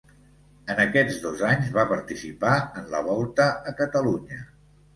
En aquests dos anys va participar en la Volta a Catalunya.